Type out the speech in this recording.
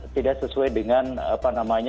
tidak sesuai dengan apa namanya